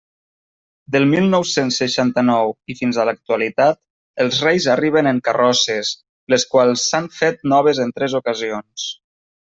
Del mil nou-cents seixanta-nou i fins a l'actualitat, els Reis arriben en carrosses, les quals s'han fet noves en tres ocasions.